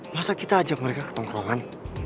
masa kita ajak mereka ke tongkrongan